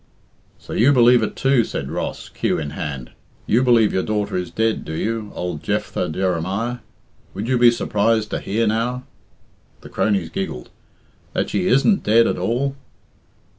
"So you believe it, too?" said Ross, cue in hand. "You believe your daughter is dead, do you, old Jephthah Jeremiah? Would you be surprised to hear, now " (the cronies giggled) "that she isn't dead at all?